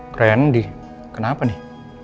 keren di kenapa nih